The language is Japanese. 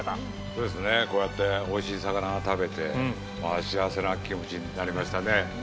そうですねこうやっておいしい魚を食べて幸せな気持ちになりましたね。